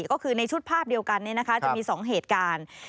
ก็คือในชุดภาพเดียวกันจะมี๒เหตุการณ์